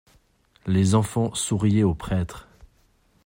Les enfants souriaient au prêtre.